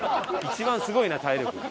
一番すごいな体力。